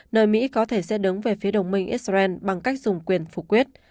nơi mỹ có thể sẽ đứng về phía đồng minh israel bằng cách dùng quyền phủ quyết